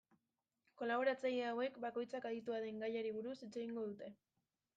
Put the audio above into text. Kolaboratzaile hauek, bakoitzak aditua den gaiari buruz hitz egingo dute.